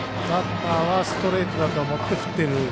バッターはストレートだと思って振ってる。